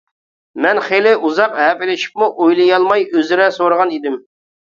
مەن خېلى ئۇزاق ھەپىلىشىپمۇ ئۇلىيالماي ئۆزرە سورىغان ئىدىم.